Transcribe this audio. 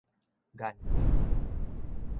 言語